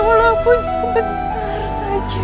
walaupun sebentar saja